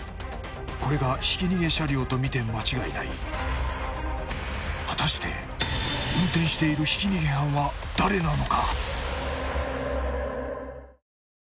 これがひき逃げ車両と見て間違いない果たして運転しているひき逃げ犯は誰なのか？